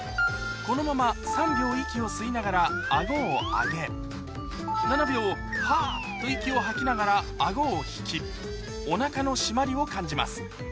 このまま３秒息を吸いながら顎を上げ７秒ハァっと息を吐きながら顎を引きおなかの締まりを感じます